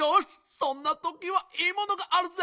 そんなときはいいものがあるぜ！